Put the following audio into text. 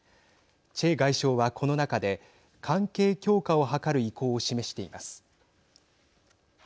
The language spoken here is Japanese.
チェ外相は、この中で関係強化を図る意向を示しています。